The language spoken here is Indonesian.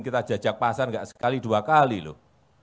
kita jajak pasang enggak sekali dua kali loh